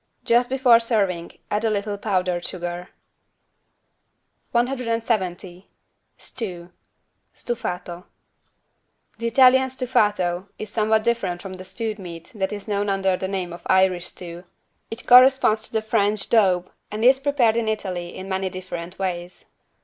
Just before serving add a little powdered sugar. 170 STEW (Stufato) The Italian =stufato= is somewhat different from the stewed meat that is known under the name of "Irish stew". It corresponds to the French =daube= and is prepared in Italy in many different ways.